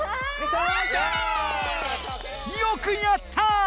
よくやった！